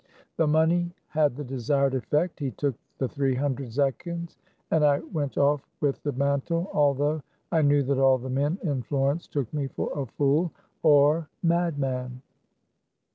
The money had the desired effect. He took the three hundred zechins, and I went off with the mantle, although I knew that all the men in Florence took me for a fool or madman.